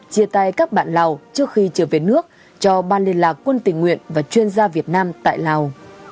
chia tay các bạn lào trước khi trở về nước cho ban liên lạc quân tình nguyện và chuyên gia việt nam tại lào